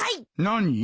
何？